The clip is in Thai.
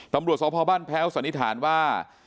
ตำรวจสพบ้านแพ้วสันนิษฐานว่า